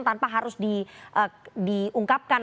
tanpa harus diungkapkan